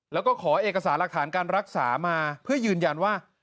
แล้วก็ขอเอกสารหลักฐานการรักษามาเพื่อยืนยันว่า